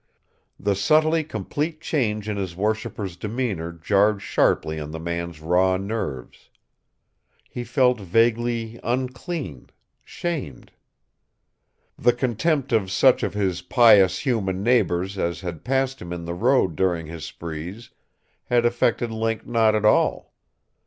The subtly complete change in his worshiper's demeanor jarred sharply on the man's raw nerves. He felt vaguely unclean shamed. The contempt of such of his pious human neighbors as had passed him in the road during his sprees had affected Link not at all.